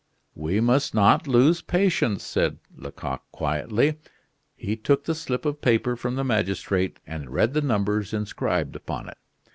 "We must not lose patience," said Lecoq quietly. He took the slip of paper from the magistrate and read the numbers inscribed upon it.